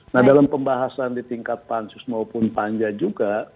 nah dalam pembahasan di tingkat pansus maupun panja juga